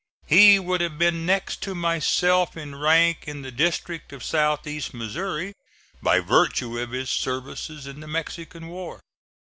He would have been next to myself in rank in the district of south east Missouri, by virtue of his services in the Mexican war.